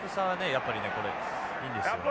やっぱりこれいいんですよね。